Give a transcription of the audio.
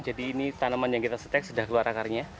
jadi ini tanaman yang kita setek sudah keluar akarnya